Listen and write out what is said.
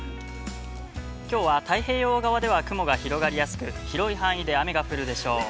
きょうは太平洋側では雲が広がりやすく、広い範囲で雨が降るでしょう。